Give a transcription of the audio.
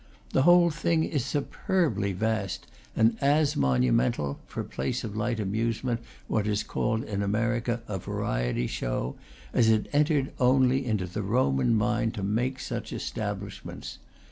The whole thing is superbly vast, and as monumental, for place of light amusement what is called in America a "variety show" as it entered only into the Roman mind to make such establishments.